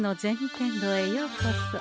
天堂へようこそ。